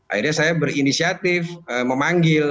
akhirnya saya berinisiatif memanggil